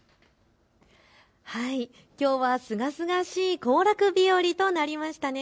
きょうはすがすがしい行楽日和となりましたね。